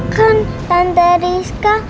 kan tante rizka